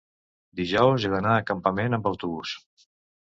Dijous he d'anar a Campanet amb autobús.